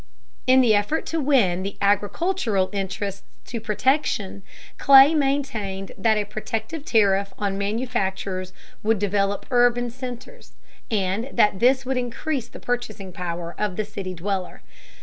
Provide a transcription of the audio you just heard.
In the effort to win the agricultural interests to protection, Clay maintained that a protective tariff on manufactures would develop urban centers, and that this would increase the purchasing power of the city dwellers.